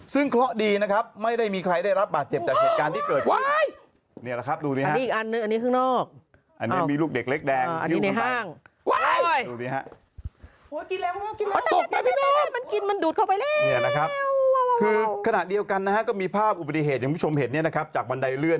ซึ่งข้อดีนะครับไม่ได้มีใครได้รับปะเจ็บจากเหตุการณ์ที่เกิด